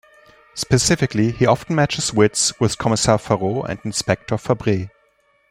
Specifically, he often matches wits with Commissaire Faroux and Inspector Fabre.